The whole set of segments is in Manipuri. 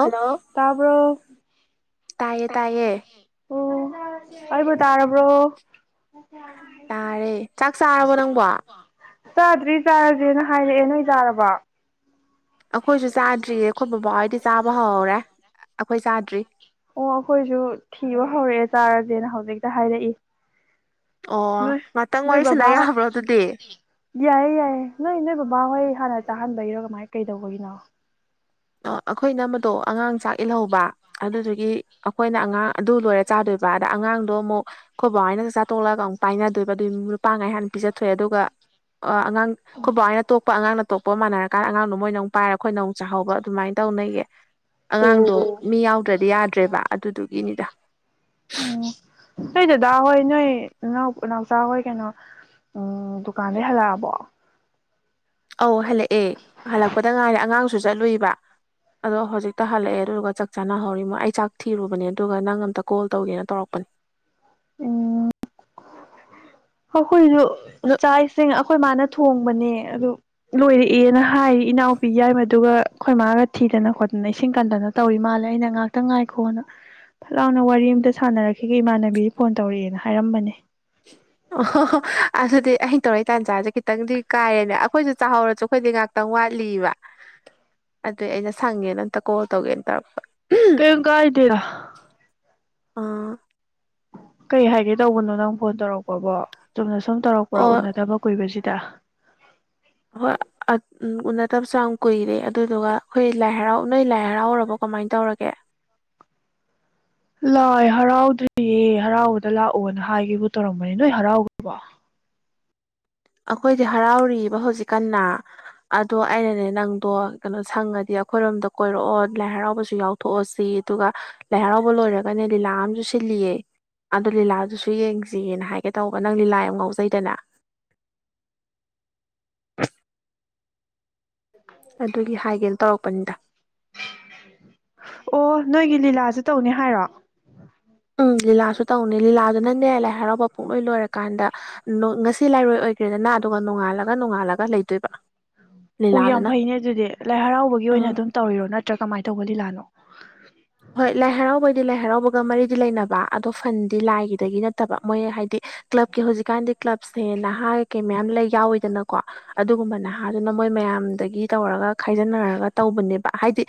ꯍꯜꯂꯣ ꯇꯔꯕ ꯇꯥꯏꯌꯦ ꯇꯥꯏꯌꯦ ꯑꯣꯕ ꯇꯥꯔꯕꯕ꯭ꯔꯣ ꯌꯥꯔꯦ ꯆꯥꯛ ꯆꯥꯔꯕꯣ ꯅꯪꯕ ꯆꯥꯗ꯭ꯔꯤ ꯆꯥꯔꯁꯦꯅ ꯍꯥꯏꯔꯛꯑꯦ ꯅꯣꯏ ꯆꯥꯔꯕ ꯑꯩꯈꯣꯏꯁꯨ ꯆꯥꯗ꯭ꯔꯤꯌꯦ ꯑꯩꯈꯣꯏ ꯕꯕꯥꯍꯣꯏꯗꯤ ꯆꯥꯕ ꯍꯧꯍꯧꯔꯦ ꯑꯩꯈꯣꯏ ꯆꯥꯗ꯭ꯔꯤ ꯑꯣ ꯑꯩꯈꯣꯏꯁꯨ ꯊꯤꯕ ꯍꯧꯔꯛꯑꯦ ꯆꯥꯔꯁꯦꯅ ꯍꯧꯖꯤꯛꯇ ꯍꯥꯏꯔꯛꯏ ꯑꯣ ꯅꯣꯏ ꯉꯥꯛꯇꯪ ꯅꯣꯏ ꯋꯥꯔꯤ ꯁꯥꯟꯅ ꯕꯥ ꯍ ꯌꯥꯕ꯭ꯔꯣ ꯑꯗꯨꯗꯤ ꯌꯥꯏꯌꯦ ꯌꯥꯏꯌꯦꯦ ꯅꯣꯏ ꯅꯣꯏ ꯕꯕꯥꯍꯣꯏ ꯍꯥꯟꯅ ꯆꯥꯍꯟꯕꯒꯤꯔꯣ ꯀꯃꯥꯏꯅ ꯀꯩꯗꯧꯕꯒꯤꯅꯣ ꯑꯩꯈꯣꯏ ꯅꯝꯕꯗꯣ ꯑꯉꯥꯡ ꯆꯥꯛ ꯏꯜꯍꯧꯕ ꯑꯗꯨꯗꯨꯒꯤ ꯑꯩꯈꯣꯏꯅ ꯑꯉꯥꯡ ꯑꯗꯨ ꯂꯣꯏꯔ ꯆꯥꯗꯣꯏ ꯑꯗ ꯑꯉꯥꯡꯗꯣ ꯑꯃꯨꯛ ꯑꯩꯈꯣꯏ ꯕꯥꯏꯅꯒ ꯆꯥꯊꯣꯛꯂꯛꯑꯒ ꯑꯃꯨꯛ ꯄꯥꯏꯅꯗꯣꯏꯕ ꯑꯗꯨ ꯂꯨꯄꯥ ꯉꯥꯏ ꯍꯥꯟꯅ ꯄꯤEdꯖꯊꯣꯛꯑꯦ ꯑꯗꯨꯒ ꯑꯉꯥꯡ ꯑꯩꯈꯠ ꯕꯥꯏꯅ ꯇꯣꯛꯄ ꯑꯉꯥꯡꯅ ꯇꯣꯛꯄ ꯃꯥꯟꯅꯔꯀꯥꯟ ꯑꯉꯥꯡꯗꯣ ꯃꯣꯏ ꯅꯪ ꯄꯥꯏꯔ ꯑꯩꯈꯣꯏ ꯅꯧ ꯆꯥꯍꯧꯕ ꯑꯗꯨꯃꯥꯏꯅ ꯇꯧꯅꯩꯌꯦ ꯑꯣ ꯑꯉꯥꯡꯗꯣ ꯃꯤ ꯌꯥꯎꯗ꯭ꯔꯗꯤ ꯌꯥꯗ꯭ꯔꯦꯕ ꯑꯗꯨꯗꯨꯒꯤꯅꯤꯗ ꯎꯝ ꯅꯣꯏ ꯗꯗꯥ ꯍꯣꯏ ꯅꯣꯏꯎ ꯎꯅꯥꯎꯆꯥꯥ ꯍꯣꯏ ꯀꯩꯅꯣ ꯎꯝ ꯗꯨꯀꯥꯟꯗ ꯍꯜꯂꯛꯑꯕꯣ ꯑꯧ ꯍꯜꯂꯛꯑꯦ ꯍꯜꯂꯛꯄꯗ ꯉꯥꯏꯔꯦ ꯑꯉꯥꯡꯁꯨ ꯆꯠꯂꯨꯏꯕ ꯑꯗꯣ ꯍꯧꯖꯤꯛꯇ ꯍꯜꯂꯛꯑꯦ ꯑꯗꯨꯒꯗꯨ ꯆꯥꯛ ꯆꯥꯅꯍꯧꯔꯤꯃꯣ ꯑꯩ ꯆꯥꯛ ꯊꯤꯔꯨꯕꯅꯦ ꯑꯗꯨꯒ ꯅꯪ ꯑꯝꯇ ꯀꯣꯜ ꯇꯧꯒꯦꯅ ꯇꯧꯔꯛꯄꯅꯦ [inaudible] ꯎꯝ ꯑꯩꯈꯣꯏꯁꯨ ꯅꯣꯏ ꯆꯥꯛ ꯏꯁꯤꯡ ꯑꯩꯈꯣꯏ ꯃꯥꯅ ꯊꯣꯡꯕꯅꯦ ꯑꯗꯨ ꯂꯣꯏꯔꯛꯑꯦꯅ ꯍꯥꯏ ꯏꯅꯥꯎꯄꯤ ꯌꯥꯏ ꯃꯗꯨꯒ ꯑꯩꯈꯣꯏ ꯃꯥꯒ ꯊꯤꯗꯅ ꯈꯣꯠꯇꯅ ꯏꯁꯤꯡ ꯀꯟꯗꯅ ꯇꯧꯋ ꯃꯥꯜꯂꯦ ꯑꯩꯅ ꯉꯍꯥꯛꯇ ꯉꯥꯏꯈꯣꯅ ꯐꯠ ꯂꯥꯎꯅ ꯋꯥꯔꯤ ꯑꯃꯝꯇ ꯁꯥꯟꯅꯔꯛꯈꯤꯒꯦ ꯏꯃꯥꯟꯅꯕꯤꯗꯤ ꯐꯣꯟ ꯇꯧꯔꯛꯑꯦꯅ ꯍꯥꯏꯔꯝꯕꯅꯦ ꯑꯣ ꯑꯗꯨꯗꯤ ꯑꯩꯅ ꯇꯧꯔꯛ ꯇꯥꯟꯖꯥꯁꯦ ꯈꯤꯇꯪꯗꯤ ꯀꯥꯏꯔꯦꯅꯦ ꯑꯩꯈꯣꯏꯁꯨ ꯆꯥꯍꯧꯔꯁꯨ ꯑꯩꯈꯣꯏꯗꯤ ꯉꯥꯛꯇꯪ ꯋꯥ ꯋꯥꯠꯂꯤꯕ ꯑꯗꯨꯏ ꯑꯩꯅ ꯁꯪꯒꯦꯅ ꯑꯝꯇ ꯀꯣꯜ ꯇꯧꯒꯦꯅ ꯇꯧꯔꯛꯄ ꯀꯣ ꯀꯏꯗꯔ ꯑ ꯀꯩ ꯍꯥꯏꯒꯦ ꯇꯧꯕꯅꯣ ꯅꯪ ꯐꯣꯟ ꯇꯧꯔꯛꯄꯕꯣ ꯆꯨꯝꯅ ꯁꯨꯝ ꯇꯧꯔꯛꯄ꯭ꯔꯥ ꯑꯣ ꯎꯅꯗꯕ ꯀꯨꯏꯕꯁꯤ ꯇꯥ ꯍꯣꯏ ꯎ ꯅ ꯇꯕꯁꯨ ꯌꯥꯝ ꯀꯨꯏꯔꯦ ꯑꯗꯨꯗꯨꯒ ꯑꯩꯈꯣꯏ ꯂꯥꯏ ꯍꯔꯥꯎ ꯅꯣꯏ ꯂꯥꯏ ꯍꯔꯥꯎꯔꯕꯀꯣ ꯀꯃꯥꯏꯅ ꯇꯧꯔꯒꯦ ꯂꯥꯏ ꯍꯔꯥꯎꯗ꯭ꯔꯤꯌꯦ ꯍꯔꯥꯎꯕꯗ ꯂꯥꯛꯑꯣꯅ ꯍꯥꯏꯒꯕꯨ ꯇꯧꯔꯝꯕꯅꯤ ꯅꯣꯏ ꯍꯔꯥꯎꯕꯣ ꯑꯩꯈꯣꯏꯗꯤ ꯍꯔꯥꯎꯔꯤꯕ ꯍꯧꯖꯤꯛꯀꯟꯅ ꯑꯗꯣ ꯑꯩꯅꯅꯦ ꯅꯪꯗꯣ ꯀꯩꯅꯣ ꯁꯪꯉꯗꯤ ꯑꯩꯈꯣꯏꯔꯣꯝꯗ ꯀꯣꯏꯔꯛꯑꯣ ꯂꯥꯏ ꯍꯔꯥꯎꯕꯁꯨ ꯌꯥꯎꯊꯣꯛꯑꯣ ꯁꯤ ꯑꯗꯨꯒ ꯂꯥꯏ ꯍꯔꯥꯎꯕ ꯂꯣꯏꯔꯒꯅꯦ ꯂꯤꯂꯥ ꯑꯃꯁꯨ ꯁꯤ ꯂꯤꯌꯦ ꯑꯗꯣ ꯂꯤꯂꯥꯗꯨꯁꯨ ꯌꯦꯡꯁꯤꯌꯦꯅ ꯍꯥꯏꯒꯦ ꯇꯧꯕ ꯅꯪ ꯂꯤꯂꯥ ꯌꯥꯝ ꯉꯥꯎꯖꯩꯗꯅ ꯑꯗꯨꯒꯤ ꯍꯥꯏꯒꯦꯅ ꯇꯧꯔꯛꯄꯅꯤꯗ ꯑꯣ ꯅꯣꯏꯒꯤ ꯂꯤꯂꯥꯥꯁꯦ ꯇꯧꯅꯤ ꯍꯥꯏꯔꯣ ꯎꯝ ꯂꯤꯂꯥꯁꯨ ꯇꯧꯅꯤ ꯂꯤꯂꯥꯗꯨ ꯅꯪꯅꯦ ꯂꯥꯏ ꯍꯔꯥꯎꯕ ꯄꯨꯡꯂꯣꯏ ꯂꯣꯏꯔꯀꯥꯟꯗ ꯉꯁꯤ ꯂꯥꯏꯔꯣꯏ ꯑꯣꯏꯈ꯭ꯔꯦ ꯗꯅꯥ ꯑꯗꯨꯒ ꯅꯣꯡꯉꯥꯜꯂꯒ ꯅꯣꯡꯉꯥꯜꯂꯒ ꯂꯩꯗꯣꯏꯕ ꯑꯣ ꯌꯥꯝ ꯂꯤꯂꯥꯗꯨꯅ ꯐꯩꯅꯦ ꯑꯗꯨꯗꯤ ꯂꯥꯏ ꯍꯔꯥꯎꯕꯒꯤ ꯎꯝ ꯑꯣꯏꯅ ꯑꯗꯨꯝ ꯇꯧꯔꯤꯔꯣ ꯅꯠꯇ꯭ꯔꯥ ꯀꯃꯥꯏꯅ ꯇꯧꯕ ꯂꯤꯂꯥꯅꯣ ꯍꯣꯏ ꯂꯥꯏ ꯍꯔꯥꯎꯕꯩꯗꯤ ꯂꯥꯏ ꯍꯔꯥꯎꯕꯒ ꯃꯔꯤꯗꯤ ꯂꯩꯅꯕ ꯑꯗꯣ ꯐꯟꯗꯤ ꯂꯥꯏꯒꯤꯗꯒꯤ ꯅꯠꯇꯕ ꯃꯣꯏ ꯍꯥꯏꯗꯤ ꯀ꯭ꯂꯕꯀꯤ ꯍꯧꯖꯤꯛꯀꯥꯟꯗꯤ ꯀ꯭ꯂꯕꯁꯦ ꯅꯍꯥ ꯀꯩꯀꯩ ꯃꯌꯥꯝ ꯂꯩ ꯌꯥꯎꯋꯤꯗꯅꯀꯣ ꯑꯗꯨꯒꯨꯝꯕ ꯅꯍꯥꯗꯨꯅ ꯃꯣꯏ ꯃꯌꯥꯝꯗꯒꯤ ꯇꯧꯔꯒ ꯈꯥꯏꯖꯤꯟꯅꯔꯒ ꯇꯧꯕꯅꯦꯕ ꯍꯥꯏꯗꯤ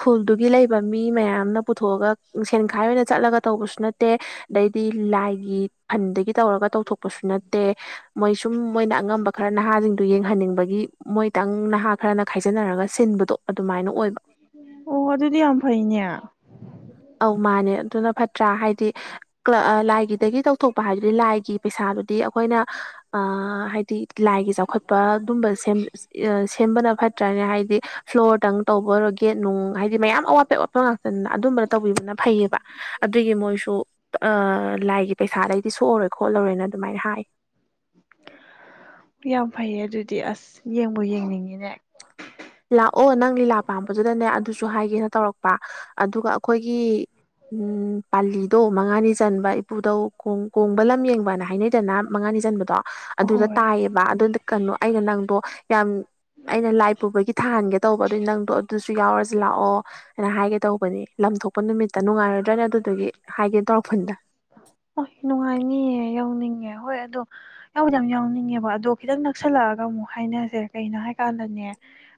ꯈꯨꯜꯗꯨꯒꯤ ꯂꯩꯕ ꯃꯤ ꯃꯌꯥꯝ ꯊꯑꯦꯟꯥꯏ ꯑꯣꯏꯅ ꯆꯠꯂ ꯇꯧꯕꯦ ꯑꯗꯩꯗꯤ ꯂꯥꯏ ꯐ ꯇꯧꯔꯒ ꯇꯧꯊꯣꯛꯄꯁꯨ ꯅꯠꯇꯦ ꯃꯣꯏ ꯁꯨꯝ ꯃꯣꯏꯅ ꯑꯉꯝꯕ ꯈꯔ ꯅꯍꯥꯁꯤꯡꯗꯨ ꯌꯦꯡꯍꯟꯅꯤꯡꯕꯒꯤ ꯃꯣꯏ ꯈꯤꯇꯪ ꯅꯍꯥ ꯈꯔꯅ ꯈꯥꯏꯖꯤꯟꯅꯔꯒ ꯁꯤꯟꯕꯗꯣ ꯑꯗꯨꯃꯥꯏꯅ ꯑꯣꯏꯕ ꯑꯣ ꯑꯗꯨꯗꯤ ꯌꯥꯝ ꯐꯩꯅꯦ ꯑꯧ ꯃꯥꯅꯦ ꯑꯗꯨꯅ ꯐꯠꯇ꯭ꯔꯥ ꯍꯥꯏꯗꯤ ꯂꯥꯏꯒꯤꯗꯒꯤ ꯇꯧ ꯇꯣꯄ ꯍꯥꯏꯗꯨꯗꯤ ꯂꯥꯏꯒꯤ ꯄꯩꯁꯥꯗꯨꯗꯤ ꯑꯩꯈꯣꯏꯅ ꯍꯥꯏꯗꯤ ꯂꯥꯏꯒꯤ ꯆꯥꯎꯈꯠꯄ ꯑꯗꯨꯝꯕ ꯁꯦꯝꯕꯅ ꯐꯠꯇ꯭ꯔꯅ ꯍꯥꯏꯗꯤ ꯐ꯭ꯂꯣꯔꯗꯪ ꯇꯧꯕ ꯑꯣꯏꯔꯣ ꯒꯦꯠ ꯅꯨꯡ ꯍꯥꯏꯗꯤ ꯃꯌꯥꯝ ꯑꯦꯄ ꯉꯥꯛꯇꯗ ꯑꯗꯨꯝꯕ ꯇꯧꯕꯤꯕꯅ ꯐꯩꯌꯦꯕ ꯑꯗꯨꯒꯤ ꯃꯣꯏꯁꯨ ꯂꯥꯏꯒꯤ ꯄꯩꯁꯥꯗꯩꯗꯤ ꯁꯣꯛꯑꯣꯔꯣꯏ ꯈꯣꯠꯂꯧꯔꯦꯅ ꯑꯗꯨꯃꯥꯏꯅ ꯍꯥꯏ ꯌꯥꯝ ꯐꯩꯌꯦ ꯑꯗꯨꯗꯤ ꯑꯁ ꯌꯦꯡꯕ ꯌꯦꯡꯅꯤꯡꯉꯤꯅꯦ ꯂꯥꯛꯑꯣ ꯅꯪ ꯂꯤꯂꯥ ꯄꯥꯝꯕꯗꯨꯗꯅꯦ ꯑꯗꯨꯁꯨ ꯍꯥꯏꯒꯦꯅ ꯇꯧꯔꯛꯄ ꯑꯗꯨꯒ ꯑꯩꯈꯣꯏꯒꯤ ꯎꯝ ꯄꯥꯜꯂꯤꯗꯣ ꯃꯉꯥꯅꯤ ꯆꯟꯕ ꯏꯄꯨꯗꯧꯣꯡ ꯀꯣꯡꯕ ꯂꯝ ꯌꯦꯡꯕꯅ ꯍꯥꯏꯅꯩ ꯁꯤꯗꯅ ꯃꯉꯥꯅꯤ ꯆꯟꯕꯗꯣ ꯑꯗꯨꯗ ꯍꯣꯏ ꯇꯥꯏꯌꯦꯕ ꯑꯗꯨ ꯀꯩꯅꯣ ꯑꯩꯅ ꯅꯪꯗꯣ ꯌꯥꯝ ꯑꯩꯅ ꯂꯥꯏ ꯁꯥꯍꯟꯒꯦ ꯇꯧꯕ ꯑꯗꯨꯏ ꯅꯪꯗꯣ ꯑꯗꯨꯁꯨ ꯌꯥꯎꯔꯁꯤ ꯂꯥꯛꯑꯣ ꯍꯥꯏꯅ ꯍꯥꯏꯒꯦ ꯇꯧꯕꯅꯤ ꯂꯝ ꯊꯣꯛꯣꯛꯄ ꯅꯨꯃꯤꯠꯇ ꯅꯨꯡꯉꯥꯏꯔ ꯠꯇ꯭ꯔꯅꯦ ꯑꯗꯨꯗꯨꯒꯤ ꯍꯥꯏꯒꯦ ꯇꯧꯔꯛꯄꯅꯤꯗ ꯑꯣ ꯅꯨꯡꯉꯥꯏꯅꯤꯌꯦ ꯌꯥꯎꯅꯤꯡꯉꯦ ꯍꯣꯏ ꯑꯗꯣ ꯌꯥꯎꯕꯗꯤ ꯌꯥꯝ ꯌꯥꯎꯅꯤꯡꯉꯦꯕ ꯑꯗꯣ ꯈꯤꯇꯪ ꯅꯛꯁꯜꯂꯛꯑꯒ ꯑꯃꯨꯛ ꯍꯥꯏꯅꯔꯁꯦ ꯀꯩꯅꯣ ꯍꯥꯏ ꯀꯥꯟꯗꯅꯦ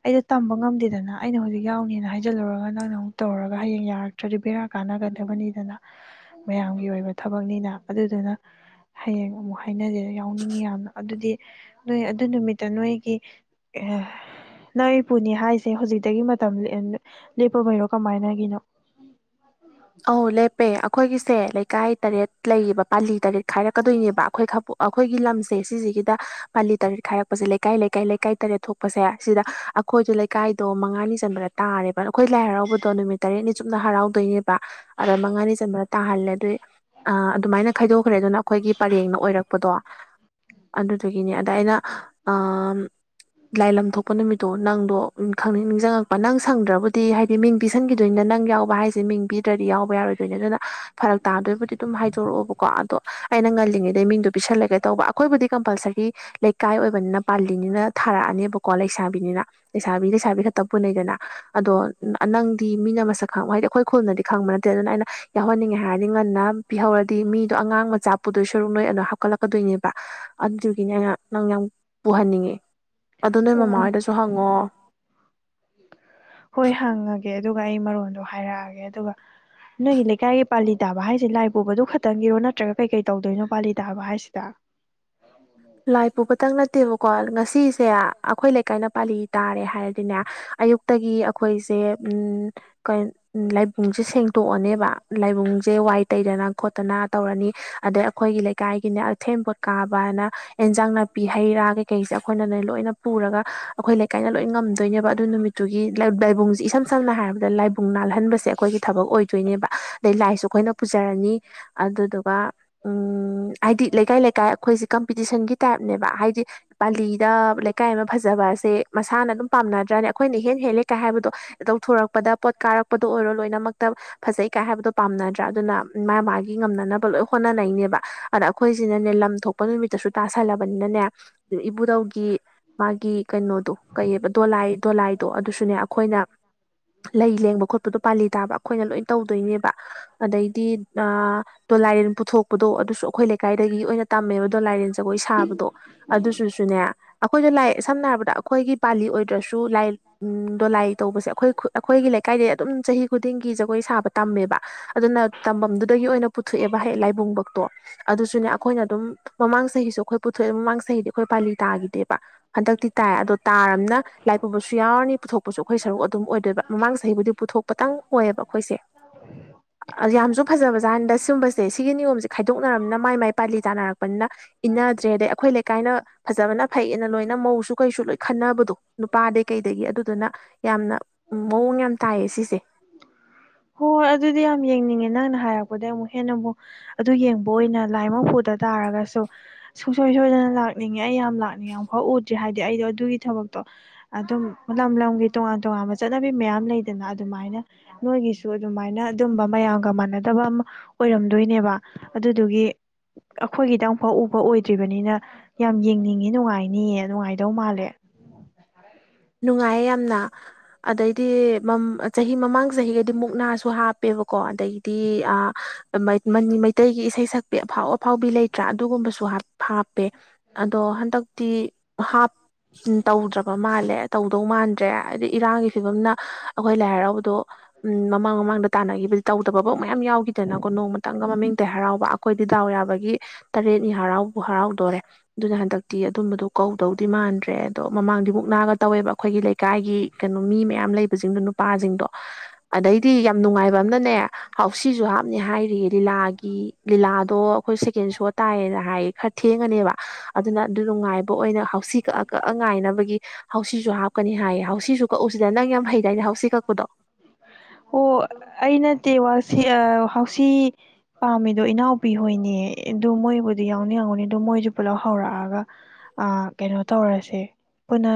ꯑꯩꯗꯣ ꯇꯝꯕ ꯉꯝꯗꯦꯗꯅ ꯑꯩꯅ ꯍꯧꯖꯤꯛ ꯌꯥꯎꯅꯦꯅ ꯍꯥꯏꯖꯜꯂꯨꯔꯒ ꯅꯪꯅ ꯑꯃꯨꯛ ꯇꯧꯔꯒ ꯍꯌꯦꯡ ꯌꯥꯔꯛꯇ꯭ꯔꯗꯤ ꯕꯦꯔꯥ ꯀꯥꯟꯅꯒꯗꯕꯅꯤꯗꯅ ꯃꯌꯥꯝꯒꯤ ꯑꯣꯏꯕ ꯊꯕꯛꯅꯤꯅ ꯑꯗꯨꯗꯨꯅ ꯍꯌꯦꯡ ꯑꯃꯨꯛ ꯍꯥꯏꯅꯁꯦ ꯌꯥꯎꯅꯤꯡꯉꯤ ꯌꯥꯝꯅ ꯑꯗꯨꯗꯤ ꯅꯣꯏ ꯑꯗꯨ ꯅꯨꯃꯤꯠꯇ ꯅꯣꯏꯒꯤ ꯑ ꯅꯪ ꯏꯄꯨꯅꯦ ꯍꯥꯏꯁꯦ ꯍꯧꯖꯤꯛꯇꯒꯤ ꯃꯇꯝ ꯂꯦꯞꯄ ꯑꯣꯏꯔꯣ ꯀꯃꯥꯏꯅꯒꯤꯅꯣ ꯑ ꯂꯦꯄꯦ ꯑꯩꯈꯣꯏꯒꯤꯁꯦ ꯂꯩꯀꯥꯏ ꯇꯔꯦꯠ ꯂꯩꯔꯤꯕꯌꯦꯕ ꯄꯥꯂꯤ ꯇꯔꯦꯠ ꯈꯥꯏꯔꯛꯀꯗꯣꯏꯅꯦꯕ ꯑꯩꯈꯣꯏ ꯑꯩꯈꯣꯏꯒꯤ ꯂꯝꯁꯦ ꯁꯤꯁꯦ ꯗ ꯄꯥꯜꯂꯤ ꯇꯔꯦꯠ ꯈꯥꯏꯔꯛꯄꯁꯦ ꯂꯩꯀꯥꯏ ꯂꯩꯀꯥꯏ ꯂꯩꯀꯥꯏ ꯇꯔꯦꯠ ꯊꯣꯛꯄꯁꯦ ꯁꯤꯗ ꯑꯩꯈꯣꯏꯗꯣ ꯂꯩꯀꯥꯏꯗꯣ ꯃꯉꯥꯅꯤ ꯆꯟꯕꯗ ꯇꯥꯔꯦꯕ ꯑꯩꯈꯣꯏ ꯂꯥꯏ ꯍꯔꯥꯎꯕꯗꯣ ꯅꯨꯃꯤꯠ ꯇꯔꯦꯠꯅꯤ ꯆꯨꯞꯅ ꯍꯔꯥꯎꯗꯣꯏꯅꯦ ꯑꯗ ꯃꯉꯥꯅꯤ ꯆꯟꯕ꯭ꯔꯥ ꯇꯥꯍꯜꯂꯦ ꯑꯗꯨꯏ ꯑꯗꯨꯃꯥꯏꯅ ꯈꯥꯏꯗꯣꯛꯈ꯭ꯔꯦ ꯑꯗꯨꯅ ꯑꯩꯈꯣꯏꯒꯤ ꯄꯔꯦꯡꯅ ꯑꯣꯏꯔꯛꯄ ꯄꯄꯗꯣ ꯑꯗꯨꯗꯨꯒꯤꯅꯦ ꯑꯗ ꯑꯩꯅ ꯑ ꯂꯥꯏ ꯂꯝ ꯊꯣꯛꯄ ꯅꯨꯃꯤꯠꯇꯣ ꯅꯪꯗꯣꯪ ꯅꯤꯡꯁꯤꯡꯉꯛꯄ ꯅꯪ ꯁꯪꯗ꯭ꯔꯕꯨꯗꯤ ꯍꯥꯏꯗꯤ ꯃꯤꯡ ꯄꯤꯁꯟꯈꯤꯗꯣꯏ ꯅꯠꯇ ꯅꯪ ꯌꯥꯎꯕ ꯍꯥꯏꯁꯦ ꯃꯤꯡ ꯄꯤ ꯌꯥꯎꯕ ꯌꯥꯔꯣꯏꯗꯣꯏꯅꯦ ꯑꯗꯨꯅ ꯐꯔꯛ ꯇꯥꯗꯣꯏꯕꯨꯗꯤ ꯑꯗꯨꯝ ꯍꯥꯏꯗꯛꯑꯣꯕꯀꯣ ꯑꯗꯣ ꯑꯩꯅ ꯉꯜꯂꯤꯉꯩꯗ ꯃꯤꯣ ꯑꯩꯕꯨ ꯏꯀꯥꯏ ꯑꯣꯏꯕꯅꯤꯅ ꯄꯥꯜꯂꯤꯅꯤꯅ ꯊꯥꯔꯛꯑꯅꯦꯕꯀꯣ ꯂꯩꯁꯥꯕꯤꯅꯤꯅ ꯂꯩꯁꯥꯕꯤ ꯂꯩꯁꯥꯕꯤ ꯈꯛꯇ ꯄꯨꯅꯩꯗꯅ ꯑꯗꯣ ꯅꯪꯗꯤ ꯃꯤꯅ ꯃꯁꯛ ꯈꯪꯕ ꯍꯥꯏꯗꯤ ꯑꯩꯈꯣꯏ ꯈꯨꯜꯅꯗꯤ ꯅꯦ ꯑꯗꯨꯅ ꯑꯩꯅ ꯌꯥꯎꯍꯟꯅꯤꯡꯉꯦ ꯍꯥꯏꯔꯗꯤ ꯉꯟꯅ ꯄꯤꯍꯧꯔꯗꯤ ꯃꯤꯗꯣ ꯑꯉꯥꯡ ꯃꯆꯥ ꯄꯨꯗꯣ ꯁꯔꯨꯛ ꯅꯣꯏ ꯑꯅꯣ ꯍꯥꯠ ꯂꯥꯛꯀꯗꯣꯏꯅꯦꯕ ꯑꯗꯨꯒꯤꯅꯦ ꯑ ꯅꯪ ꯌꯥꯝ ꯄꯨꯍꯟꯅꯤꯡꯉꯤ ꯑꯗꯨ ꯅꯣꯏ ꯃꯃꯥ ꯑꯣ ꯍꯣꯏꯗꯁꯨ ꯍꯪꯉꯣ ꯍꯣꯏ ꯍꯪꯉꯒꯦ ꯑꯗꯨꯒ ꯑꯩ ꯃꯔꯣꯟꯗꯣ ꯍꯥꯏꯔꯛꯑꯒꯦ ꯑꯗꯨꯒ ꯅꯣꯏꯒꯤ ꯂꯩꯀꯥꯏꯒꯤ ꯄꯥꯂꯤ ꯇꯥꯕ ꯍꯥꯏꯁꯤꯦ ꯂꯥꯏ ꯄꯨꯕꯗꯨ ꯈꯛꯇꯪꯒꯤꯔꯣ ꯅꯠꯇ꯭ꯔꯒ ꯀꯩꯀꯩ ꯇꯧꯗꯣꯏꯅꯣ ꯄꯥꯂꯤ ꯇꯥꯕ ꯍꯥꯏꯁꯤꯗ ꯂꯥꯏ ꯄꯨꯕꯇꯪ ꯅꯠꯇꯦꯕꯀꯣ ꯉꯁꯤ ꯁꯤꯁꯦ ꯑꯩꯈꯣꯏ ꯂꯩꯀꯥꯏꯅ ꯄꯥꯜꯂꯤ ꯇꯥꯔꯦ ꯍꯥꯏꯔꯗꯤꯅꯦ ꯑꯌꯨꯛꯇꯒꯤ ꯑꯩꯈꯣꯏꯁꯦ ꯎ ꯂꯥꯏꯕꯨꯡꯁꯦ ꯁꯦꯡꯗꯣꯛꯑꯅꯦ ꯂꯥꯏꯕꯨꯡꯁꯦ ꯋꯥꯏ ꯇꯩꯗꯅ ꯈꯣꯠꯇꯅ ꯇꯧꯔꯅꯤ ꯑꯗꯩ ꯑꯩꯈꯣꯏꯒꯤ ꯂꯩꯀꯥꯏꯒꯤꯅꯦ ꯑꯊꯦꯝꯕ ꯀꯥ ꯕꯅ ꯑꯦꯟꯖꯥꯡ ꯅꯥꯄꯤ ꯍꯩ ꯔꯥ ꯀꯩꯀꯩꯁꯦ ꯑꯩꯈꯣꯏꯅꯅꯦ ꯂꯣꯏꯅ ꯄꯨꯔꯒ ꯑꯩꯈꯣꯏ ꯂꯩꯀꯥꯏꯅ ꯂꯣꯏ ꯉꯝꯗꯣꯏꯅꯦꯕ ꯑꯗꯨ ꯅꯨꯃꯤꯠꯇꯨꯒꯤ ꯂꯥꯏꯕꯨꯡꯁꯦ ꯏꯁꯝ ꯁꯝꯅ ꯍꯥꯏꯔꯕꯗ ꯂꯥꯏꯕꯨꯡ ꯅꯥꯜꯍꯟꯕꯁꯦ ꯑꯩꯈꯣꯏꯒꯤ ꯊꯕꯛ ꯑꯣꯏꯗꯣꯏꯅꯦꯕ ꯑꯗꯩ ꯂꯥꯏꯁꯨ ꯑꯩꯈꯣꯏꯅ ꯔꯅꯤ ꯑꯗꯨꯗꯨꯒ ꯍꯥꯏꯗꯤ ꯂꯩꯀꯥꯏ ꯂꯩꯀꯥꯏ ꯑꯩꯈꯣꯏꯁ ꯀꯝꯄꯤꯇꯤꯁꯟ ꯒꯤ ꯇꯥꯏꯅꯦꯕ ꯍꯥꯏꯗꯤ ꯄꯥꯂꯤꯗ ꯂꯩꯀꯥꯏ ꯑꯃ ꯐꯖꯕꯁꯦ ꯃꯁꯥꯅ ꯑꯗꯨꯝ ꯄꯥꯝꯅꯗ꯭ꯔꯅꯦ ꯑꯩꯈꯣꯏ ꯦꯟ ꯍꯦꯂ ꯇꯧꯊꯣꯔꯛꯄꯗ ꯄꯣꯠ ꯀꯥꯔꯛꯄꯗ ꯑꯣꯏꯔꯣ ꯂꯣꯏꯅꯃꯛꯇ ꯐꯖꯩ ꯀꯥꯏ ꯍꯥꯏꯕꯗꯣ ꯄꯥꯝꯅꯗ꯭ꯔꯥ ꯑꯗꯨꯅ ꯃꯥꯥꯏ ꯃꯥ ꯉꯅ ꯍꯣꯩꯅꯦꯕ ꯑꯗ ꯑꯩꯈꯣꯏꯅꯅꯦ ꯂꯝ ꯊꯣꯛꯄ ꯅꯨ ꯇꯥꯁꯜꯂꯕꯅꯤꯅꯅꯦ ꯏꯕꯨꯗꯧꯒꯤ ꯃꯥꯒꯤ ꯀꯩꯅꯣꯗꯣ ꯀꯩꯕ ꯗꯣꯂꯥꯏ ꯗꯣꯂꯥꯏꯗꯣ ꯑꯗꯨꯁꯨꯅꯦ ꯑꯩꯈꯣꯏꯅ ꯂꯩ ꯂꯦꯡꯕ ꯈꯣꯠꯄꯗꯣ ꯄꯥꯜꯂꯤ ꯇꯥꯕ ꯑꯩꯈꯣꯏꯅ ꯂꯣꯏ ꯇꯧꯗꯣꯏꯅꯦꯕ ꯑꯗꯩꯗꯤ ꯑꯗꯣ ꯂꯥꯏꯔꯦꯟ ꯄꯨꯊꯣꯛꯄꯗꯣ ꯑꯗꯨꯁꯨ ꯑꯩꯈꯣꯏ ꯂꯩꯀꯥꯏꯗꯒꯤ ꯑꯣꯏꯅ ꯇꯝꯃꯦꯕ ꯑꯗꯣ ꯂꯥꯏꯔꯦꯟꯁ ꯑꯩꯈꯣꯏ ꯁꯥꯕꯗꯣ ꯑꯗꯨꯁꯨꯁꯨꯅꯦ ꯑꯩꯈꯣꯏꯗ ꯂꯥꯏ ꯁꯝꯅ ꯍꯥꯏꯔꯕꯗ ꯑꯩꯈꯣꯏꯒꯤ ꯄꯥꯂꯤ ꯑꯣꯏꯗ꯭ꯔꯁꯨ ꯂꯥꯏ ꯎꯝ ꯇꯧꯕꯁꯦ ꯑꯩꯈꯣꯏ ꯑꯩꯈꯣꯏꯒꯤ ꯂꯩꯀꯥꯏꯗ ꯑꯗꯨꯝ ꯆꯍꯤ ꯈꯨꯗꯤꯡꯒꯤ ꯖꯒꯣꯏ ꯁꯥꯕ ꯇꯝꯃꯦꯕ ꯑꯗꯨꯅ ꯇꯝꯐꯝꯗꯨꯗꯩ ꯊ ꯂꯥꯏꯕꯨꯡ ꯕꯨꯛꯁꯨ ꯑꯗꯨꯁꯨꯅꯦ ꯃꯥꯃꯥꯛ ꯑꯩꯈꯣꯏ ꯄꯨꯊꯣꯛꯑꯦ ꯃꯃꯥꯡ ꯆꯍꯤꯗꯤ ꯑꯩꯈꯣꯏ ꯄꯥꯂꯤ ꯇꯥꯈꯤꯗꯦꯕ ꯍꯟꯗꯛꯇꯤ ꯇꯥꯏ ꯑꯗꯣ ꯇꯥꯔꯅ ꯂꯥꯏꯄ ꯌꯥꯎꯔꯅꯤ ꯄꯨꯊꯣꯛꯄꯁꯨ ꯑꯩꯈꯣꯏ ꯁꯔꯨꯛ ꯑꯗꯨꯝ ꯑꯣꯏꯗꯣꯏꯕ ꯃꯃꯥꯡ ꯆꯍꯤꯕꯨꯗꯤ ꯄꯨꯊꯣꯛꯄꯇꯪ ꯑꯣꯏꯌꯦꯕ ꯑꯩꯈꯣꯏꯁꯦ ꯌꯥꯝꯁꯨ ꯐꯖꯕ ꯖꯥꯥꯟꯗ ꯁꯤꯒꯨꯝꯕꯁꯦ ꯁꯤꯒꯤ ꯅꯤꯌꯣꯝꯁꯦ ꯈꯥꯏꯗꯣꯛꯅꯔꯕꯅꯤꯅ ꯃꯥꯏ ꯃꯥꯏ ꯄꯥꯜꯂꯤ ꯇꯥꯅꯔꯛꯄꯅꯤꯅ ꯏꯟꯅꯗ꯭ꯔꯦ ꯑꯗꯩ ꯑꯩꯈꯣꯏ ꯂꯩꯀꯥꯏꯅ ꯐꯖꯕꯅ ꯐꯩꯌꯦꯅ ꯂꯣꯏꯅ ꯃꯧꯁꯨ ꯀꯩꯁꯨ ꯂꯣꯏꯅ ꯈꯟꯅꯕꯗꯣ ꯅꯨꯄꯥꯗꯩ ꯀꯩꯗꯒꯤ ꯑꯗꯨ ꯑꯗꯨꯅ ꯌꯥꯝꯅ ꯃꯑꯣꯡ ꯌꯥꯝ ꯇꯥꯏꯌꯦ ꯁꯤꯁꯦ ꯍꯣꯏ ꯍꯣꯏ ꯑꯗꯨꯗꯤ ꯌꯥꯝ ꯌꯦꯡꯅꯤꯡꯉꯤꯅꯦ ꯍꯥꯏꯔꯛꯄꯗꯒꯤꯩ ꯑꯃꯨꯛ ꯍꯦꯟꯅ ꯑꯃꯨꯛ ꯑꯗꯨ ꯌꯦꯡꯕ ꯑꯣꯏꯅ ꯂꯥꯏ ꯑꯃ ꯐꯨꯗ ꯇꯥꯔꯒꯁꯨ ꯁꯨꯡꯁꯣꯏ ꯁꯣꯏꯗꯅ ꯩꯅ ꯂꯥꯛꯅꯤꯡꯉꯦ ꯑꯩ ꯌꯥꯝ ꯂꯥꯛꯅꯤꯡꯉ ꯐꯥꯎ ꯎꯗ꯭ꯔꯤ ꯍꯥꯏꯗꯤ ꯑꯩꯗꯣ ꯑꯗꯨꯒꯤ ꯊꯕꯛꯇꯣ ꯑꯗꯨꯝ ꯂꯝ ꯂꯝꯒꯤ ꯇꯣꯉꯥꯟ ꯇꯣꯉꯥꯟꯕ ꯆꯠꯅꯕꯤ ꯃꯌꯥꯝ ꯂꯩꯗꯅ ꯑꯗꯨꯃꯥꯏꯅ ꯅꯣꯏꯒꯤꯁꯨ ꯑꯗꯨꯃꯥꯏꯅ ꯑꯗꯨꯝꯕ ꯃꯌꯥꯝ ꯒ ꯃꯥꯟꯅꯗꯕ ꯑꯃ ꯑꯣꯏꯔꯝꯗꯣꯏꯅꯦꯕ ꯑꯗꯨꯗꯨꯒꯤ ꯑꯩꯈꯣꯏꯒꯤꯗꯪꯨꯛꯐꯥꯎ ꯎꯕ ꯑꯣꯏꯗ꯭ꯔꯤꯕꯅꯤꯅ ꯌꯥꯝ ꯌꯦꯡꯅꯤꯡꯏꯤ ꯅꯨꯡꯉꯥꯏꯅꯤꯌꯦ ꯅꯨꯡꯉꯥꯏꯗꯧ ꯃꯥꯜꯂꯦ [inaudible] ꯅꯨꯡꯉꯥꯏꯌꯦ ꯌꯥꯝꯅ ꯑꯗꯩꯗꯤ ꯆꯍꯤ ꯃꯃꯥꯡ ꯆꯍꯤꯒꯗꯤ ꯃꯨꯛꯅꯥꯁꯨ ꯍꯥꯞꯄꯦꯕꯀꯣ ꯑꯗꯩꯗꯤ ꯑ ꯃꯩꯇꯩꯒꯤ ꯏꯁꯩ ꯁꯛꯄꯤ ꯑꯐꯥꯎ ꯑꯐꯥꯎꯕꯤ ꯂꯩꯇ꯭ꯔꯥ ꯑꯗꯨꯒꯨꯝꯕꯁꯨ ꯍꯥ ꯍꯥꯞꯄꯦ ꯑꯗꯣ ꯍꯟꯗꯛꯇꯤ ꯍꯥꯞ ꯇꯧꯗ꯭ꯔꯕ ꯃꯥꯜꯂꯦ ꯇꯧꯗꯧ ꯃꯥꯟꯗ꯭ꯔꯦ ꯍꯥꯏꯗꯤ ꯏꯔꯥꯡꯒꯤ ꯐꯤꯕꯝꯅ ꯑꯩꯈꯣꯏ ꯂꯥꯏ ꯍꯔꯥꯎꯕꯗꯣ ꯃꯃꯥꯡ ꯃꯃꯥꯡꯗ ꯇꯥꯟꯅꯈꯤꯕ ꯇꯧꯗꯕꯕꫭꯛ ꯃꯌꯥꯝ ꯌꯧꯒꯤꯗꯅ ꯀꫭ ꯅꫭꯡꯃꯥꯇꯪꯒꯥ ꯃꯥꯃꯤꯡ ꯇ ꯌꯥꯔꯧꯕ ꯑꯩꯈꫭꯏꯗꯤ ꯗꯧꯌꯥꯕꯒꯤ ꯇꯥꯔꯦꯠꯅꯤ ꯍꯔꯥꯎ ꯍꯔꯥꯎꯗꯣꯔꯦ ꯑꯗꯨꯅ ꯍꯟꯗꯛꯇꯤ ꯑꯗꯨꯝꯕꯗꯨ ꯀꯧꯗꯧꯗꯤ ꯃꯥꯟꯗ꯭ꯔꯦ ꯑꯗꯣ ꯃꯃꯥꯡꯗꯤ ꯃꯨꯛ ꯒ ꯇꯧꯋꯦꯕ ꯑꯩꯈꯣꯏꯒꯤ ꯂꯩꯀꯥꯏꯒꯤ ꯀꯩꯅꯣ ꯃꯤ ꯃꯌꯥꯝ ꯂꯩꯕꯁꯤꯡꯗꯣ ꯅꯨꯄꯥꯁꯤꯡꯗꯣ ꯑꯗꯩꯗꯤ ꯌꯥꯝ ꯅꯨꯡꯉꯥꯏꯕ ꯝꯅꯅꯦ ꯍꯥꯎꯁꯤꯁꯨ ꯍꯥꯞꯅꯤ ꯍꯥꯏꯔꯤ ꯂꯤꯂꯥꯒꯤ ꯂꯤꯂꯥꯗꯣ ꯑꯩꯈꯣꯏ ꯁꯦꯀꯦꯟ ꯁꯣ ꯇꯥꯏꯌꯦ ꯍꯥꯏ ꯈꯔ ꯊꯦꯡꯉꯅꯦꯕ ꯑꯗꯨꯅ ꯑꯗꯨ ꯅꯨꯡꯉꯥꯏꯕ ꯑꯣꯏꯅ ꯍꯥꯎꯁꯤ ꯀꯛꯑ ꯀꯛꯑ ꯉꯥꯏꯅꯕꯒꯤ ꯁꯨ ꯍꯥꯞꯀꯅꯤ ꯍꯥꯏꯌꯦ ꯍꯧꯁꯤꯁꯨ ꯀꯛꯎꯁꯤꯗ ꯅꯪ ꯌꯥꯝ ꯍꯩꯗꯥꯏꯅꯦ ꯍꯧꯁꯤ ꯀꯛꯄꯗꯣ ꯑꯣ ꯑꯩ ꯅꯠꯇꯦꯛꯁꯤ ꯍꯥꯎꯁꯤ ꯄꯥꯝꯃꯤꯗꯣ ꯏꯅꯥꯎꯄꯤ ꯍꯣꯏꯅꯦ ꯑꯗꯨ ꯃꯣꯏ ꯕꯨꯗꯤ ꯌꯥꯎꯅꯤ ꯌꯥꯎꯉꯅꯤ ꯑꯗꯨ ꯃꯣꯏꯁꯨ ꯄꯨꯂꯞ ꯍꯧꯔꯛꯑꯒ ꯑ ꯀꯩꯅꯣ ꯇꯧꯔꯁꯦ ꯄꯨꯅꯥ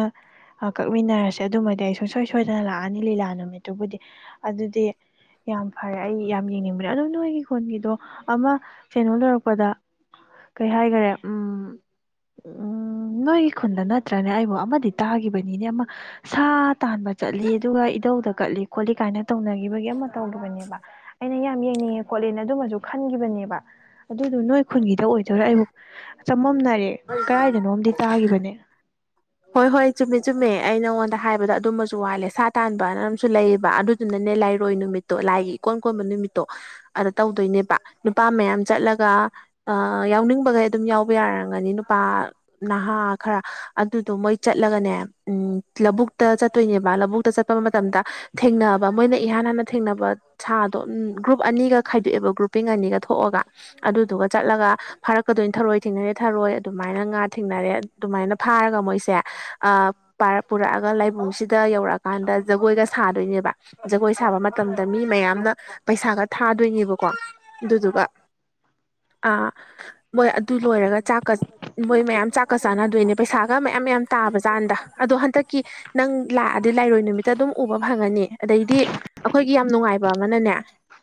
ꯀꯛꯃꯤꯟꯅꯔꯁꯦ ꯑꯗꯨꯃꯗꯤ ꯑꯩ ꯁꯨꯡꯁꯣꯏ ꯁꯣꯏꯗꯅ ꯂꯥꯛꯑꯅꯤ ꯂꯤꯂꯥ ꯅꯨꯃꯤꯠꯇꯨꯕꯨꯗꯤ ꯑꯗꯨꯗꯤ ꯌꯥꯝ ꯐꯔꯦ ꯑꯩ ꯌꯥꯝ ꯌꯦꯡꯅꯤꯡꯕꯅꯦ ꯑꯗꯣ ꯅꯣꯏꯒꯤ ꯈꯨꯣꯟꯒꯤꯗꯣ ꯑꯃ ꯁꯦꯩꯅꯣ ꯂꯧꯔꯛꯄꯗ ꯀꯩ ꯍꯥꯏꯈꯔꯦ ꯎꯝ ꯎꯝ ꯅꯣꯏꯒꯤ ꯈꯨꯟꯗ ꯅꯠꯇ꯭ꯔꯅꯦ ꯑꯩꯕꯨ ꯑꯃꯗꯤ ꯇꯥꯈꯤꯕꯅꯤꯅꯦ ꯑꯃ ꯁꯥ ꯇꯥꯟꯕ ꯆꯠꯂꯤ ꯑꯗꯨꯒ ꯇꯧꯗ ꯀꯠꯂꯤ ꯈꯣꯠꯂꯤ ꯀꯥꯏꯅ ꯇꯧꯅꯒ ꯇꯧꯅꯦ ꯑꯩꯅ ꯌꯥꯝ ꯌꯦꯡꯅꯤꯡꯉꯦ ꯈꯣꯠꯦ ꯑꯗꯨꯃꯁꯨ ꯈꯟꯈꯤꯕꯅꯦꯕ ꯑꯗꯨ ꯅ ꯑꯩ ꯈꯨꯟꯒꯤꯗ ꯑꯣꯏꯗꯣꯏꯔꯥ ꯑꯩꯕꯨ ꯆꯃꯝꯅꯔꯦ ꯀꯗꯥꯏꯗꯅꯣꯝꯗꯤ ꯇꯥꯒꯤꯈꯤꯕꯅꯦ ꯍꯣꯏ ꯍꯣꯏ ꯆꯨꯝꯃꯦ ꯆꯨꯝꯃꯦ ꯑꯩ ꯅꯉꯣꯟꯗ ꯍꯥꯏꯕꯗ ꯑꯗꯨꯝꯕꯁꯨ ꯋꯥꯠꯂꯦ ꯁꯥ ꯇꯥꯟꯕꯅ ꯑꯃꯁꯝꯨ ꯂꯩꯌꯦꯕꯞ ꯑꯗꯨꯗꯨꯅꯅꯦ ꯂꯥꯏꯔꯣꯏ ꯅꯨꯃꯤꯠꯇꯣ ꯂꯥꯏꯒꯤ ꯀꯣꯟ ꯀꯣꯟꯕ ꯅꯨꯃꯤꯠꯇꯣ ꯑꯗ ꯇꯧꯗꯣꯏꯅꯦꯕ ꯅꯨꯄꯥ ꯃꯌꯥꯝ ꯆꯠꯂꯒ ꯌꯥꯎꯅꯤꯡꯕꯒꯩ ꯑꯗꯨꯝ ꯌꯥꯎꯕ ꯌꯥꯔꯝꯒꯅꯤ ꯅꯨꯄꯥ ꯅꯍꯥ ꯈꯔ ꯑꯗꯨꯗꯣ ꯃꯣꯏ ꯆꯠꯂꯒꯅꯦ ꯂꯧꯕꯨꯛꯇ ꯆꯠꯇꯣꯏꯅꯦꯕ ꯂꯧꯕꯨꯛꯇ ꯆꯠꯄ ꯃꯇꯝꯗ ꯊꯦꯡꯅꯕ ꯃꯣꯏꯅ ꯏꯍꯥꯟ ꯥꯟ ꯍꯅ ꯊꯦꯡꯅꯕ ꯁꯥꯗꯣ ꯒ꯭ꯔꯨꯞ ꯑꯅꯤꯒ ꯈꯥꯏꯗꯣꯛꯑꯦꯕ ꯒ꯭ꯔꯨꯞꯄꯤꯡ ꯑꯅꯤꯒ ꯊꯣꯛꯑꯒ ꯑꯗꯨꯗꯨꯒ ꯆ ꯆꯠꯂꯒ ꯐꯥꯔꯛꯀꯗꯣꯏꯅꯤ ꯊꯔꯣꯏ ꯊꯦꯡꯅꯔꯦ ꯊꯔꯣꯏ ꯑꯗꯨꯃꯥꯏꯅ ꯉꯥ ꯊꯦꯡꯅꯔꯦ ꯑꯗꯨꯃꯥꯏꯅ ꯐꯥꯔꯒ ꯃꯣꯏ ꯄꯨꯔꯛꯑꯒ ꯂꯥꯏꯕꯨꯡꯁꯤꯗ ꯌꯧꯔꯛꯑꯀꯥꯟꯗ ꯖꯒꯣꯏꯒ ꯁꯥꯗꯣꯏꯅꯦꯕ ꯖꯒꯣꯏ ꯁꯥ ꯊꯥꯕ ꯃꯇꯝꯗ ꯃꯤ ꯃꯌꯥꯝꯅ ꯄꯩꯁꯥꯒ ꯊꯥꯗꯣꯏꯅꯦꯕꯀꯣ ꯑꯗꯨꯗꯨꯒ ꯑꯥ ꯃꯣꯏ ꯑꯗꯨ ꯂꯣꯏꯔꯒ ꯆꯥꯛꯀ ꯃꯣꯏ ꯃꯌꯥꯝ ꯆꯥꯛꯀ ꯆꯥꯟꯅꯗꯣꯏꯅꯦ ꯄꯩꯁꯥ ꯇꯥꯕ ꯀꯥꯟꯗ ꯑꯗꯣ ꯍꯟꯗꯛꯀꯤ ꯅꯪ ꯂꯥꯛꯑꯗꯤ ꯂꯥꯏꯔꯣꯏ ꯅꯨꯃꯤꯠꯇ ꯑꯗꯨꯝ ꯎꯕ ꯐꯪꯉꯅꯤ ꯑꯗꯩꯗꯤ ꯑꯩꯈꯣꯏꯒꯤ ꯌꯥꯝ ꯅꯨꯡꯉꯥꯏꯕ ꯑꯃꯅꯅꯦ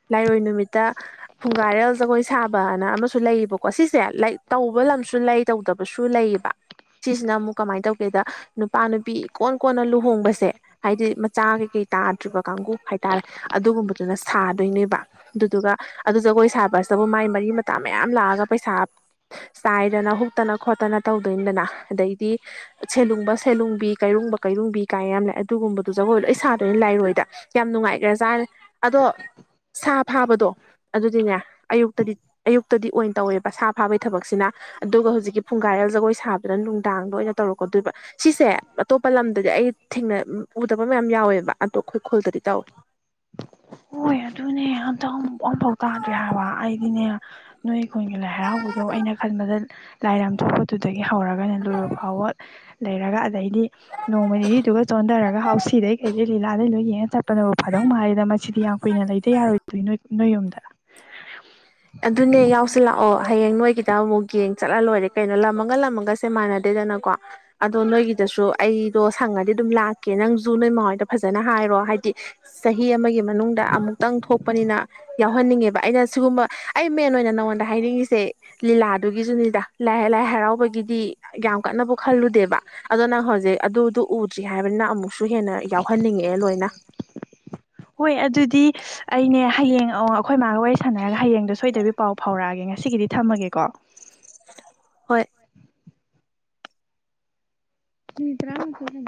ꯂꯥꯏꯔꯣꯏ ꯅꯨꯃꯤꯠꯇ ꯐꯨꯡꯒꯥꯔꯦꯜ ꯖꯒꯣꯏ ꯁꯥꯕꯅ ꯑꯃꯁꯨ ꯂꯩꯌꯦꯕꯀꯣ ꯁꯤꯁꯦ ꯂꯥꯏꯛ ꯇꯧꯕ ꯂ ꯂꯩ ꯇꯧꯗꯕꯁꯨ ꯂꯩꯌꯦꯕ ꯁꯤꯁꯤꯅ ꯑꯃꯨꯛ ꯀꯃꯥꯏꯅ ꯇꯧꯒꯦꯗ ꯅꯨꯄꯥ ꯅꯨꯄꯤ ꯀꯣꯟ ꯀꯣꯟꯅ ꯂꯨꯍꯣꯡꯕꯁꯦ ꯍꯥꯏꯗꯤ ꯃꯆꯥ ꯀꯩ ꯀꯩ ꯇꯥꯔ ꯭ ꯀꯥꯡ ꯍꯥꯏꯇꯥꯔꯦ ꯑꯗꯨꯒꯨꯝꯗꯨꯅ ꯁꯥꯗꯣꯏꯅꯦꯕ ꯑꯗꯨꯗꯨꯒ ꯑꯗꯨ ꯖꯒꯣꯏ ꯁꯥꯕꯕꯨ ꯃꯥꯏ ꯃꯔꯤ ꯃꯇꯥ ꯃꯌꯥꯝ ꯂꯥꯛꯑꯒ ꯄꯩꯁꯥ ꯆꯥꯏꯗꯅ ꯍꯨꯇꯅ ꯈꯣꯠꯇꯅ ꯇꯧꯗꯣꯏꯅꯤꯗꯅ ꯑꯗꯩꯗꯤ ꯁꯦꯂꯨꯡꯕ ꯁꯦꯂꯨꯡꯕꯤ ꯀꯩꯔꯨꯡꯕ ꯀꯩꯔꯨꯡꯕꯤ ꯀꯥꯏ ꯌꯥꯝ ꯂꯥꯛꯦ ꯑꯗꯨꯒꯨꯝꯕꯗꯨ ꯖꯒꯣꯏ ꯂꯣꯏ ꯏꯁꯥꯗ ꯂꯥꯛꯑꯦ ꯍꯥꯏꯔꯣꯏꯗ ꯌꯥꯝ ꯅꯨꯡꯉꯥꯏꯈ꯭ꯔꯦꯖꯥꯅꯦꯦ ꯑꯗꯣ ꯁꯥ ꯐꯥꯕꯗꯣ ꯑꯗꯨꯗꯤꯅꯦ ꯑꯌꯨꯛꯇꯗꯤ ꯑꯌꯨꯛꯇꯗꯤ ꯑꯣꯏꯅ ꯇꯧꯋꯦꯕ ꯁꯥ ꯐꯥꯕꯒꯤ ꯊꯕꯛꯁꯤꯅ ꯑꯗꯨꯒ ꯍꯧꯖꯤꯛꯀꯤ ꯐꯨꯡꯒꯥꯥꯏꯔꯦꯜ ꯖꯒꯣꯏ ꯁꯥꯕꯗꯅ ꯅꯨꯡ ꯑꯇꯣꯞꯄ ꯂꯝꯗꯗꯤ ꯑꯩ ꯑꯣ ꯑꯩꯈꯣꯏ ꯈꯨꯣꯜꯗꯗꯤ ꯇꯥꯎꯏ ꯍꯣꯏ ꯑꯗꯨꯅꯦ ꯑꯇ ꯑꯃꯝꯐꯥꯎ ꯇꯥꯗ꯭ꯔꯦ ꯍꯥꯏꯕ ꯑꯩꯗꯤꯅꯦ ꯑꯩꯅ ꯅꯣꯏ ꯑꯩꯈꯣꯟꯒꯤ ꯂꯥꯏ ꯍꯔꯥꯎꯕꯗꯣ ꯑꯩꯅ ꯈꯟꯕꯗ ꯂꯥꯏ ꯂꯥꯝꯊꯣꯛꯄꯗꯨꯗꯒꯤ ꯍꯧꯔꯒꯅ ꯂꯣꯏꯕ ꯐꯥꯎꯕ ꯂꯩꯔꯒ ꯑꯗꯩꯗꯤ ꯅꯣꯡꯃ ꯅꯤꯅꯤꯗꯨꯒ ꯆꯣꯟꯊꯔꯒ ꯍꯥꯎꯁꯤꯗꯩ ꯀꯩꯗꯩ ꯂꯤꯂꯥꯗꯂꯣꯏ ꯌꯦꯡꯉꯒ ꯆꯠꯄꯅꯕꯨ ꯐꯥꯗꯧ ꯃꯥꯜꯜꯂꯤꯦꯗ ꯃꯁꯤꯗꯤ ꯌꯥꯝ ꯀꯨꯏꯅ ꯂꯩꯇ ꯌꯥꯔꯣꯏꯗꯣꯏ ꯅ ꯅꯣꯏ ꯌꯨꯝꯗ ꯑꯗꯨꯅꯦ ꯌꯥꯎꯁꯤꯜꯂꯛꯑꯣ ꯍꯌꯦꯡ ꯅꯣꯏꯒꯤꯗ ꯑꯃꯨꯛ ꯌꯦꯡꯉ ꯆꯠꯍ ꯂꯣꯏꯔꯦ ꯀꯩꯅꯣ ꯂꯃꯒ ꯂꯝꯃꯒꯁꯦ ꯃꯥꯟꯅꯗꯦꯗꯅꯀꯣ ꯑꯗꯣ ꯅꯣꯏꯒꯤꯗꯁꯨ ꯑꯩꯗꯣ ꯁꯪꯉꯗꯤ ꯑꯗꯨꯝ ꯂꯥꯛꯀꯦ ꯅꯪꯁꯨꯨ ꯅꯣꯏ ꯃꯃꯥꯏꯗ ꯐꯖꯅ ꯍꯥꯏꯔꯣ ꯍꯥꯏꯗꯤ ꯆꯍꯤ ꯑꯃꯒꯤ ꯃꯅꯨꯡꯗ ꯑꯃꯨꯛꯇꯪ ꯊꯣꯛꯄꯅꯤꯅ ꯌꯥꯎꯍꯟꯅꯤꯡꯉꯦꯕ ꯑꯩꯅ ꯁꯤꯒꯨꯝꯕ ꯑꯩ ꯃꯦꯟ ꯑꯣꯏꯅ ꯅꯉꯣꯟꯗ ꯍꯥꯏꯅꯤꯡꯉꯤꯁꯦ ꯂꯤꯂꯥꯗꯨꯒꯤꯁꯨꯅꯤꯗ ꯂꯥꯏ ꯂꯥꯏ ꯍꯔꯥꯎꯕꯒꯤ ꯗꯤ ꯌꯥꯝ ꯀꯟꯅꯕꯨ ꯈꯜꯂꯨꯗꯦꯕ ꯑꯗꯣ ꯅꯪ ꯍꯧꯖꯤꯛ ꯑꯗꯨꯗꯨ ꯎꯗ꯭ꯔꯤ ꯍꯥꯏꯕꯅꯤꯅ ꯑꯃꯨꯛꯁꯨ ꯍꯦꯟꯅ ꯌꯥꯎꯍ ꯐꯍꯟꯅꯤꯡꯉꯛꯑꯦ ꯂꯣꯏꯅ ꯍꯣꯏ ꯑꯗꯨꯗꯤ ꯑꯩꯅꯦ ꯑꯣ ꯑꯩꯈꯣꯏ ꯃꯥꯒ ꯋꯥꯔꯤ ꯁꯥꯟꯅꯔꯒ ꯍꯌꯦꯡꯗꯣ ꯁꯣꯏꯗꯕꯤ ꯄꯥꯎ ꯐꯥꯎꯔꯛꯑꯒꯦ ꯉꯁꯤꯒꯤꯗꯤ ꯊꯝꯃꯒꯦꯀꯣ ꯍꯣꯏ ꯃꯤꯇꯔꯥ ꯊꯅ